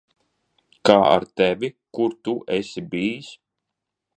Kā ar tevi, kur tu esi bijis?